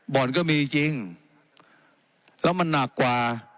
บ่อนก็มีจริงแล้วมันหนักกว่า